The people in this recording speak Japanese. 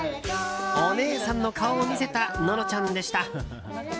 お姉さんの顔を見せたののちゃんでした。